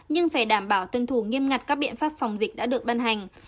nhưng phải đảm bảo tuân thủ nghiêm ngặt các biện pháp phòng dịch đã được ban hành